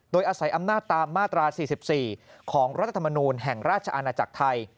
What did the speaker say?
โดยอาศัยอำนาจตามมาตรา๔๔ของรัฐธรรมนูลแห่งราชอาณาจักรไทย